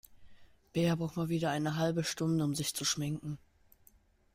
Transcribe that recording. Bea braucht mal wieder eine halbe Stunde, um sich zu schminken.